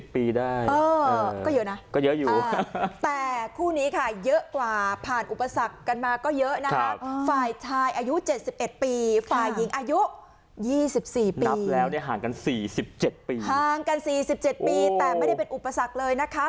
ผล่านอุปสรรคกันมาก็เยอะนะ